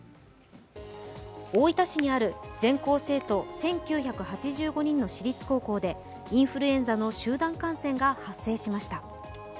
大分市にある全校生徒１９８５人の私立高校でインフルエンザの集団感染が発生しました。